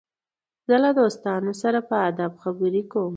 زه له دوستانو سره په ادب خبري کوم.